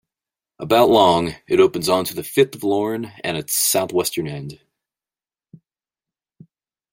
About long, it opens onto the Firth of Lorne at its southwestern end.